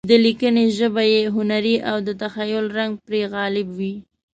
د لیکنې ژبه یې هنري او د تخیل رنګ پرې غالب وي.